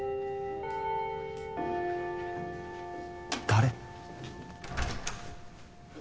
誰？